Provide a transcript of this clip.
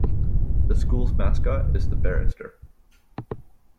The school's mascot is the Barrister.